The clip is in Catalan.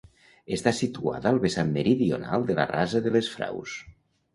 Està situada al vessant meridional de la rasa de les Fraus.